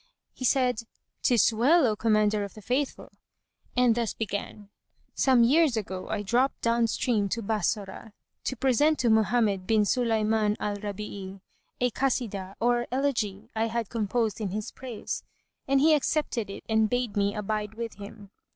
He said, "'Tis well, O Commander of the Faithful;" and thus began: Some years ago, I dropped down stream to Bassorah, to present to Mohammed bin Sulayman al Rabí'í[FN#152] a Kasidah or elegy I had composed in his praise; and he accepted it and bade me abide with him.